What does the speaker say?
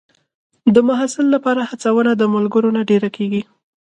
د محصل لپاره هڅونه د ملګرو نه ډېره کېږي.